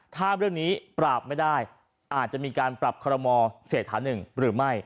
ถ้าเรื่องนี้ปราบไม่ได้อาจจะมีการปรับคอรมอเศรษฐานึงหรือไม่